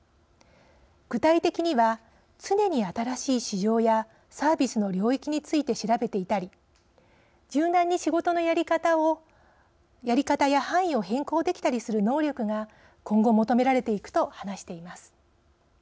具体的には、常に新しい市場やサービスの領域について調べていたり柔軟に仕事のやり方や範囲を変更できたりする能力が今後求められていくと話しています。